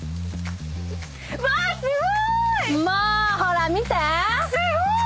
うわすごーい！